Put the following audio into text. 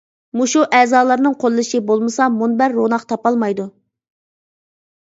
مۇشۇ ئەزالارنىڭ قوللىشى بولمىسا مۇنبەر روناق تاپالمايدۇ.